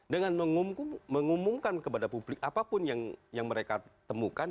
dengan mengumumkan kepada publik apapun yang mereka temukan